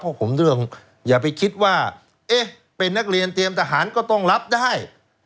เพราะผมเรื่องอย่าไปคิดว่าเอ๊ะเป็นนักเรียนเตรียมทหารก็ต้องรับได้